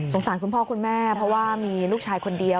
สารคุณพ่อคุณแม่เพราะว่ามีลูกชายคนเดียว